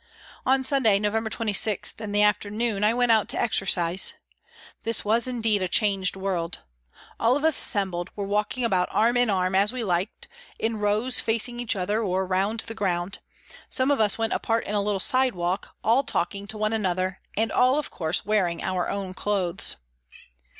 On Sunday, November 26, in the afternoon I went out to exercise. This was indeed a changed world. All of us assembled were walking about arm in arm, as we liked, in rows facing each other, or round the ground ; some of us went apart in a little side walk, all talking to one another, and all, of course, wearing our own clothes.